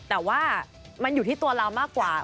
แต่ว่ามันอยู่ที่ตัวเรามากกว่า